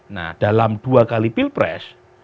nah dalam dua kali pilpres